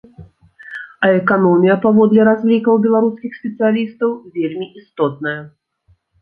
А эканомія, паводле разлікаў беларускіх спецыялістаў, вельмі істотная.